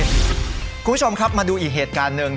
คุณผู้ชมครับมาดูอีกเหตุการณ์หนึ่ง